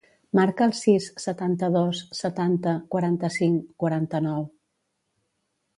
Marca el sis, setanta-dos, setanta, quaranta-cinc, quaranta-nou.